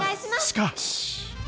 しかし。